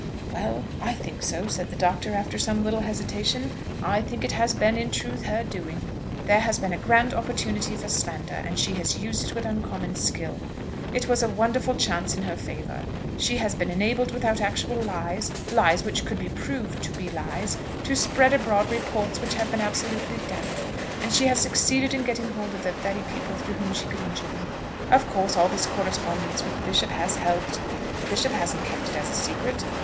"Well, I think so," said the Doctor, after some little hesitation. "I think it has been, in truth, her doing. There has been a grand opportunity for slander, and she has used it with uncommon skill. It was a wonderful chance in her favour. She has been enabled without actual lies, lies which could be proved to be lies, to spread abroad reports which have been absolutely damning. And she has succeeded in getting hold of the very people through whom she could injure me. Of course all this correspondence with the Bishop has helped. The Bishop hasn't kept it as a secret.